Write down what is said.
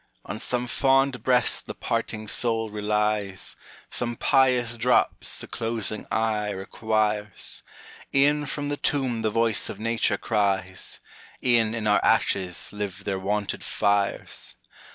On some fond breast the parting soul relies, Some pious drops the closing eye requires; E'en from the tomb the voice of Nature cries, E'en in our ashes live their wonted fires.